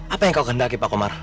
apa yang kau kendaki pak komar